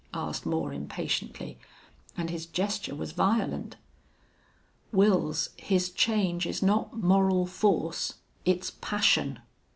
asked Moore, impatiently, and his gesture was violent. "Wils, his change is not moral force. It's passion."